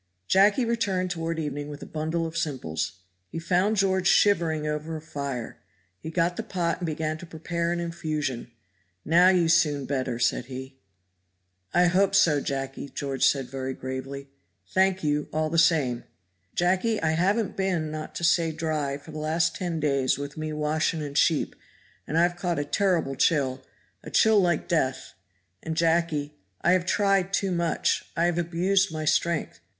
Jacky returned toward evening with a bundle of simples. He found George shivering over a fire. He got the pot and began to prepare an infusion. "Now you soon better," said he. "I hope so, Jacky," said George very gravely, "thank you, all the same. Jacky, I haven't been not to say dry for the last ten days with me washing the sheep, and I have caught a terrible chill a chill like death; and, Jacky, I have tried too much I have abused my strength.